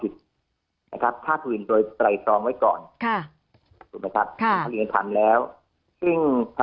คือมันเป็นความผิดที่แยกกันนะครับ